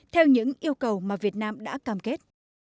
theo những yêu cầu mà việt nam đã cam kết